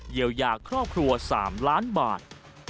เยียวยาครอบครัว๓ล้านบาท